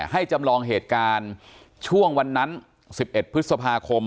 จำลองเหตุการณ์ช่วงวันนั้น๑๑พฤษภาคม